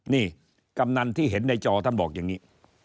นี่กำนันที่เห็นในจอท่านบอกอย่างนี้